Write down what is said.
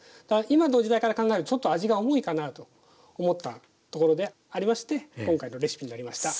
今の時代から考えるとちょっと味が重いかなと思ったところでありまして今回のレシピになりました。